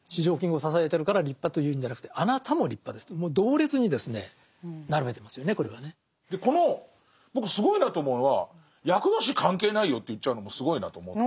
だから内助の功でこの僕すごいなと思うのは厄年関係ないよと言っちゃうのもすごいなと思って。